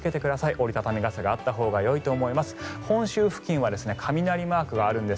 折り畳み傘があったほうがよいと思います。